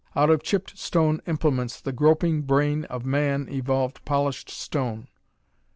Out of chipped stone implements the groping brain of man evolved polished stone.